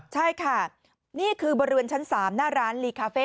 ใช่ค่ะนี่คือบริเวณชั้น๓หน้าร้านลีคาเฟ่